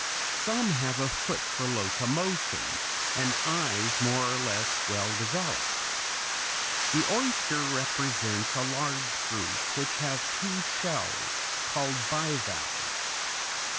Some have a foot for locomotion and eyes more or less well developed. The oyster represents a large group which have two shells, called bivalves.